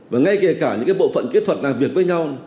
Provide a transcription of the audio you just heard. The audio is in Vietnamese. và ngay kể cả những bộ phận kỹ thuật làm việc với nhau